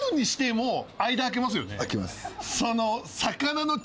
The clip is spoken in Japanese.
あけます。